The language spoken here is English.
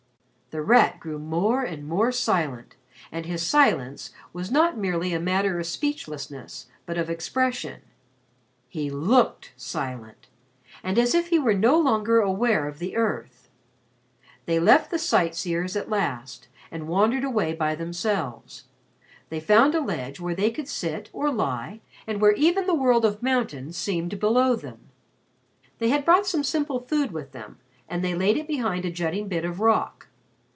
The Rat grew more and more silent, and his silence was not merely a matter of speechlessness but of expression. He looked silent and as if he were no longer aware of the earth. They left the sight seers at last and wandered away by themselves. They found a ledge where they could sit or lie and where even the world of mountains seemed below them. They had brought some simple food with them, and they laid it behind a jutting bit of rock.